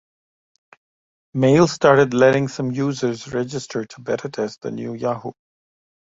Mail started letting some users register to beta test the new Yahoo!